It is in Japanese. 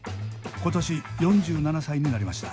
今年４７歳になりました。